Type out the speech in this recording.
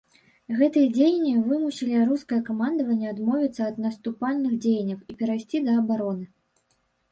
Гэтыя дзеянні вымусілі рускае камандаванне адмовіцца ад наступальных дзеянняў і перайсці да абароны.